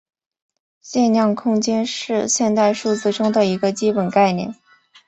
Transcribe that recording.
向量空间是现代数学中的一个基本概念。